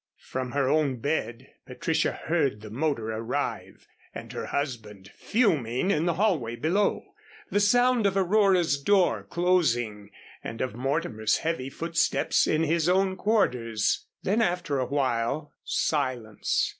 From her own bed Patricia heard the motor arrive and her husband fuming in the hallway below, the sound of Aurora's door closing and of Mortimer's heavy footsteps in his own quarters; then after awhile, silence.